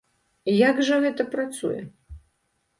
Як жа гэта працуе?